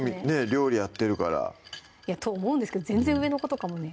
料理やってるからと思うんですけど全然上の子とかもね